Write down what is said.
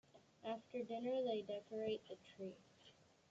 After dinner, they decorate the tree.